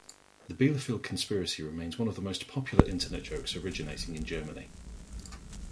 The Bielefeld Conspiracy remains one of the most popular internet jokes originating in Germany.